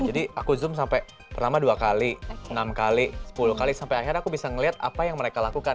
jadi aku zoom sampai pertama dua kali enam kali sepuluh kali sampai akhir aku bisa ngelihat apa yang mereka lakukan